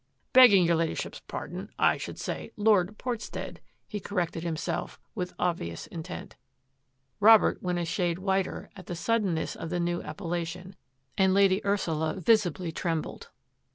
Beg ging your Ladyship's pardon, I should say Lord Portstead,*' he corrected himself, with obvious in tent. Robert went a shade whiter at the suddenness of the new appellation, and Lady Ursula visibly trembled.